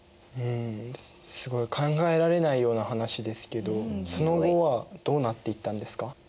うんすごい考えられないような話ですけどその後はどうなっていったんですか？